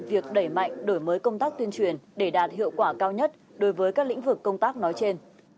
việc đẩy mạnh đổi mới công tác tuyên truyền để đạt hiệu quả cao nhất đối với các lĩnh vực công tác nói trên